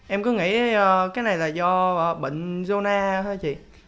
em cứ nghĩ cái này là do bệnh zona thôi chị